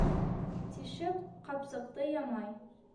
Тишек ҡапсыҡты ямай.